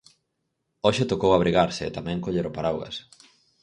Hoxe tocou abrigarse e tamén coller o paraugas.